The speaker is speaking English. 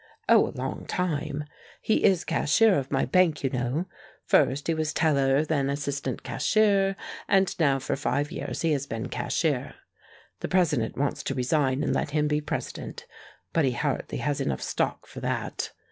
"Oh, a long time. He is cashier of my bank, you know. First he was teller, then assistant cashier, and now for five years he has been cashier. The president wants to resign and let him be president, but he hardly has enough stock for that.